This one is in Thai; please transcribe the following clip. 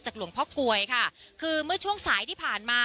หลวงพ่อกลวยค่ะคือเมื่อช่วงสายที่ผ่านมา